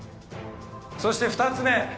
そして２つ目。